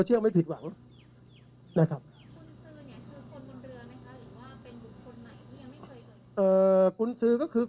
เยอะไหมครับกลุ่นซือ